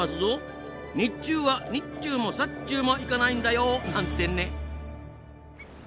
日中はにっちゅうもさっちゅうもいかないんだよ！なんてね。